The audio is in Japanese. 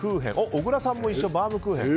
小倉さんも一緒、バウムクーヘン。